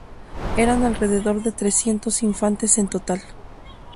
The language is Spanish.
Eran alrededor de trescientos infantes en total.